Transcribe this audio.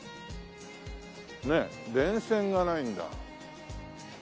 ねっ電線がないんだ。